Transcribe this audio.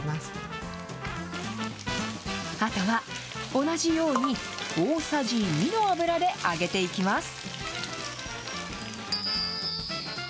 あとは同じように、大さじ２の油で揚げていきます。